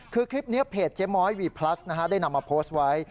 คือคลิปนี้เพจเจ๊ม้อยวีพลัสได้นำมาโพสต์ไว้